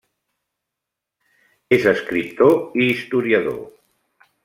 És escriptor i historiador.